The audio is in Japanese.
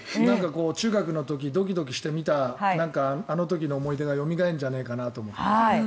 中学の時ドキドキして見たあの時の思い出がよみがえるんじゃないかなって。